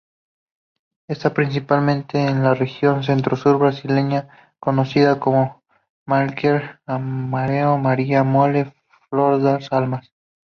Está principalmente en la región centro-sur de Brasil, conocida como: malmequer-amarelo, Maria-mole, flor-das-almas.